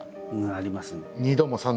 なりますね。